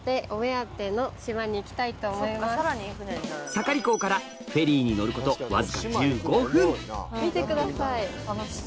盛港からフェリーに乗ることわずか１５分見てください。はず。